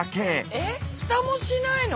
えっフタもしないの？